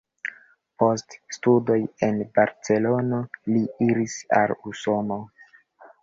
Post studoj en Barcelono li iris al Usono.